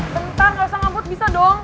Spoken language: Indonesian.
bentar gak usah ngabut bisa dong